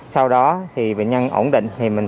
sau đó thì bệnh nhân ổn định